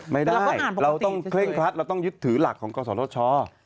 ไม่ได้เราต้องเคร่งครัดเราต้องยึดถือหลักของกศธช